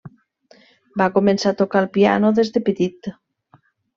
Va començar a tocar el piano des de petit.